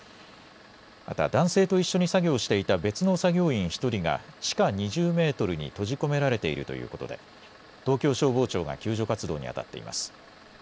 また男性と一緒に作業していた別の作業員１人が地下２０メートルに閉じ込められているということで東京消防庁が救助活動にあたっています。